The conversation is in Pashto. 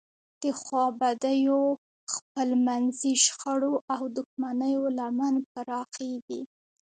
د خوابدیو، خپلمنځي شخړو او دښمنیو لمن پراخیږي.